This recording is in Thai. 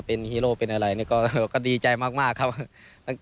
เป็นฮีโร่เป็นอะไรก็ดีใจมากครับ